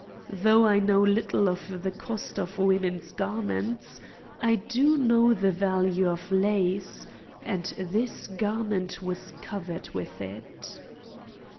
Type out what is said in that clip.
Though I know little of the cost of women's garments, I do know the value of lace, and this garment was covered with it.